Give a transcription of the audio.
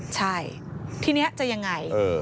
ใช่ทีนี้จะยังไง